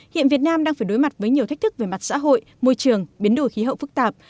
hiện việt nam đang phải đối mặt với nhiều thách thức về mặt xã hội môi trường biến đổi khí hậu phức tạp